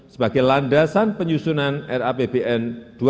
sebagai landasan penyusunan rapbn dua ribu dua puluh